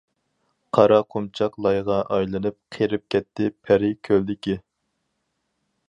قارا قۇمچاق لايغا ئايلىنىپ، قېرىپ كەتتى پەرى كۆلدىكى.